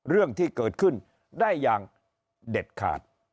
เรื่องที่เกิดขึ้นได้อย่างเด็ดขาด